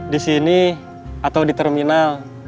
di sini atau di terminal